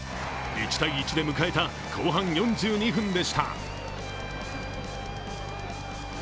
１−１で迎えた後半４２分でした。